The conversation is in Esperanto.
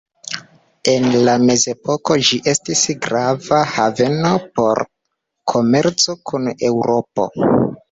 En la mezepoko ĝi estis grava haveno por komerco kun Eŭropo.